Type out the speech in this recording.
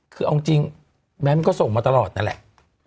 คือเอาจริงแบงค์ก็ส่งมาตลอดนั่นแหละ